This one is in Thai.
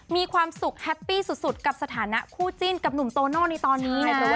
มีความสุขแฮปปี้สุดกับสถานะคู่จิ้นกับหนุ่มโตโน่ในตอนนี้นะครับ